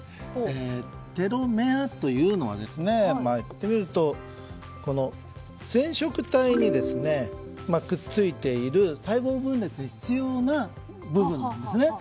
テロメアというのは染色体にくっついている細胞分裂に必要な部分なんですね。